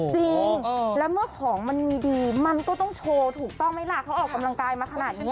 จริงแล้วเมื่อของมันมีดีมันก็ต้องโชว์ถูกต้องไหมล่ะเขาออกกำลังกายมาขนาดนี้